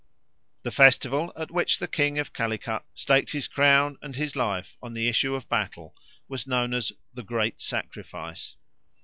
The festival at which the king of Calicut staked his crown and his life on the issue of battle was known as the "Great Sacrifice."